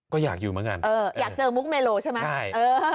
ก็อยากอยู่เหมือนกันอยากเจอมุกเมโลใช่ไหม